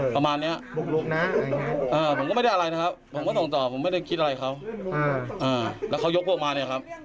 ประมาณนี้บุกลุกนะผมก็ไม่ได้อะไรนะครับผมก็ส่งต่อผมไม่ได้คิดอะไรเขาแล้วเขายกพวกมาเนี่ยครับ